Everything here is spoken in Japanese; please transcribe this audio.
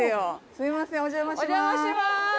すいませんお邪魔します。